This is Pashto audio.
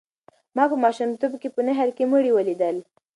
ما په ماشومتوب کې په نهر کې مړي ولیدل.